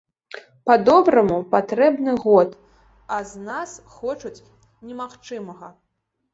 Па-добраму, патрэбны год, а з нас хочуць немагчымага.